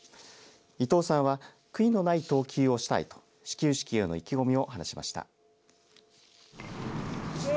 伊藤さんは悔いのない投球をしたいと始球式への意気込みを話しました。